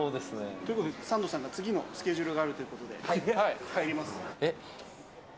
ということで、サンドさんが次のスケジュールがあるというこえ？